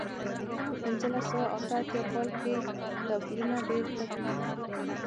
په پنځلس سوه اته اتیا کال کې توپیرونه ډېر لږ و.